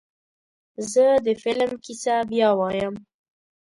زه د فلم کیسه بیا وایم.